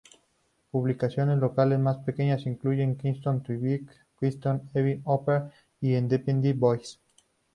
Publicaciones locales más pequeñas incluyen "Kingston This Week", "Kingston Eye-Opener" y "Independent Voice".